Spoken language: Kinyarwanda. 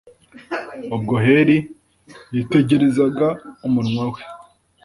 ubwo heli yitegerezaga umunwa we